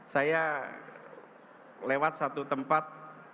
saya lewat satu tempat